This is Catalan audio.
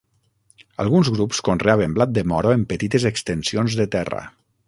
Alguns grups conreaven blat de moro en petites extensions de terra.